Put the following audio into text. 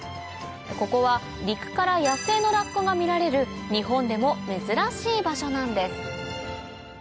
ここは陸から野生のラッコが見られる日本でも珍しい場所なんです